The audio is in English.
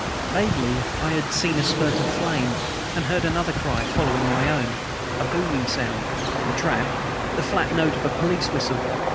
Vaguely I had seen a spurt of flame, had heard another cry following my own, a booming sound (the trap), the flat note of a police whistle.